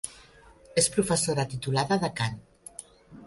És professora titulada de cant.